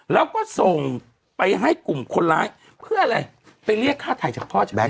แล้วก็ส่งไปให้กลุ่มคนร้ายเพื่ออะไรไปเรียกค่าถ่ายจากพ่อจากแก๊